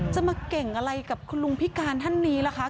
จะมาเก่งอะไรกับคุณลุงพิการท่านนี้ล่ะคะ